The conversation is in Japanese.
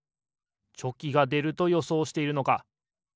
チョキがでるとよそうしているのか。